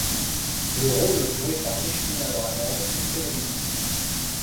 Le rôle joué par Michelina dans la bande est prédominant.